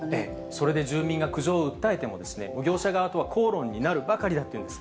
それで住民が苦情を訴えても、業者側とは口論になるばかりだというんです。